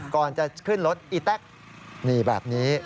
ก่อนจะขึ้นรถอีแต๊กนี่แบบนี้